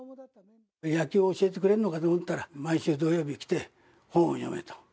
野球を教えてくれるのかと思ったら毎週土曜日来て本を読めと。